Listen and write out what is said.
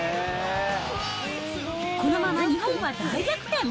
このまま日本は大逆転。